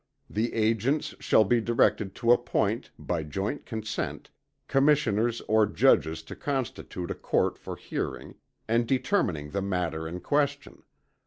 The agents shall be directed to appoint, by joint consent, commissioners or judges to constitute a court for hearing and determining the matter in question.